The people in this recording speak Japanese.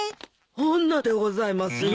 女でございますよ。